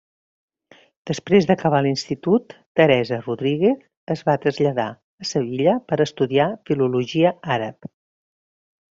Després d'acabar l'Institut, Teresa Rodríguez es va traslladar a Sevilla per estudiar Filologia Àrab.